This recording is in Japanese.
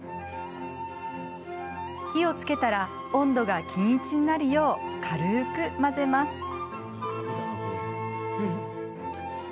火をつけたら、温度が均一になるよう軽く混ぜます。